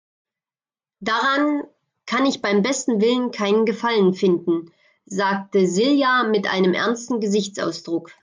Daran kann ich beim besten Willen keinen Gefallen finden, sagte Silja mit einem ernsten Gesichtsausdruck.